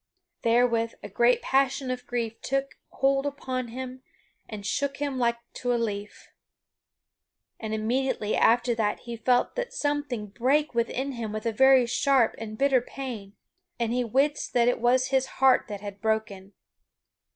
[Sidenote: The death of King Ban] Therewith a great passion of grief took hold upon him and shook him like to a leaf, and immediately after that he felt that something brake within him with a very sharp and bitter pain, and he wist that it was his heart that had broken.